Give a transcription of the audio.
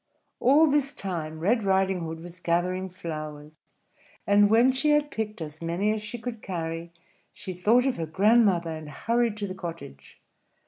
All this time Red Riding Hood was gathering flowers; and when she had picked as many as she could carry, she thought of her grandmother, and hurried to the cottage.